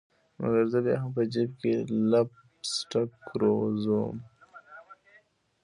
مګر زه بیا هم په جیب کي لپ سټک ګرزوم